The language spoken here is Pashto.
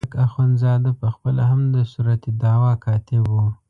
مامدک اخندزاده په خپله هم د صورت دعوا کاتب وو.